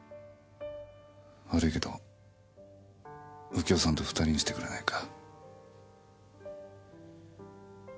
悪いけど右京さんと２人にしてくれないか。